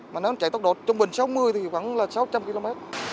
mà nếu chạy tốc độ trung bình sáu mươi thì vẫn là sáu trăm linh km